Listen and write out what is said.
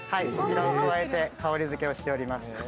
そちらを加えて香り付けをしております。